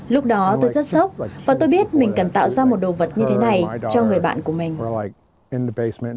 lúc đó tôi rất sốc và tôi biết mình cần tạo ra một đồ vật như thế này cho người bạn của mình